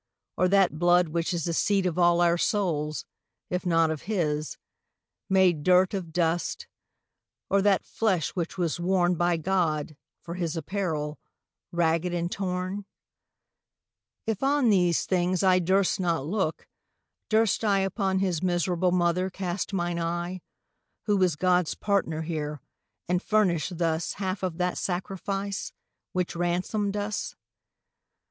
or that blood which isThe seat of all our Soules, if not of his, Made durt of dust, or that flesh which was worneBy God, for his apparell, rag'd, and torne? If on these things I durst not looke, durst IUpon his miserable mother cast mine eye, Who was Gods partner here, and furnish'd thusHalfe of that Sacrifice, which ransom'd us?